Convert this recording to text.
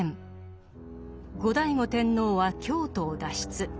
後醍醐天皇は京都を脱出。